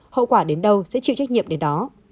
hậu quả đến đâu sẽ chịu trách nhiệm đến đó